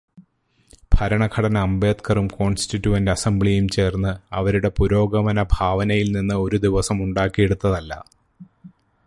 ഭരണഘടന അംബേദ്കറും കോണ്സ്റ്റിറ്റ്യുവന്റ് അസംബ്ലിയും ചേര്ന്ന് അവരുടെ പുരോഗമനഭാവനയില് നിന്ന് ഒരു ദിവസം ഉണ്ടാക്കിയെടുത്തതല്ല.